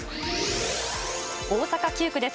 大阪９区です。